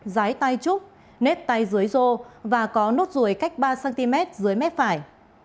rái tay trúc nếp tay dưới rô và có nốt ruồi cách ba cm dưới mép phải